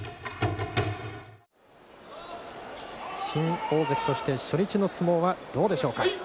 新大関として初日の相撲はどうでしょうか。